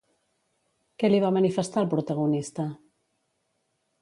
Què li va manifestar el protagonista?